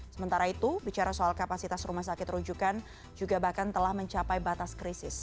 sementara itu bicara soal kapasitas rumah sakit rujukan juga bahkan telah mencapai batas krisis